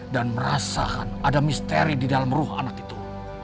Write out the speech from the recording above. dan merasakan ada misteri di dalam ruh anak itu